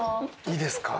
いいですか。